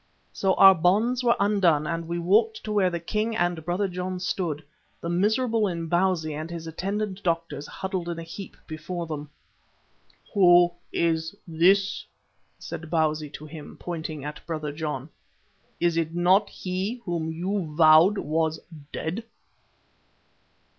So our bonds were undone and we walked to where the king and Brother John stood, the miserable Imbozwi and his attendant doctors huddled in a heap before them. "Who is this?" said Bausi to him, pointing at Brother John. "Is it not he whom you vowed was dead?"